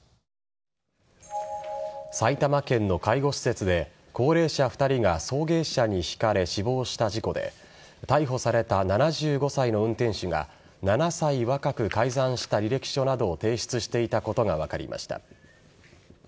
埼玉県の介護施設で高齢者２人が送迎車にひかれ死亡した事故で逮捕された７５歳の運転手が７歳若く改ざんした履歴書などを提出していたことが分かりました。